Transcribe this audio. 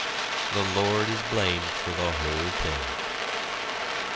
The Lord is blamed for the whole thing.